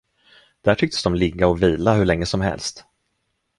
Där tycktes de ligga och vila hur länge som helst.